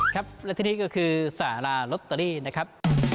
ครับและที่นี่ก็คือสาราลอตเตอรี่นะครับ